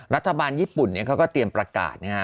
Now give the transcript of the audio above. รัฐบาลญี่ปุ่นเขาก็เตรียมประกาศนะฮะ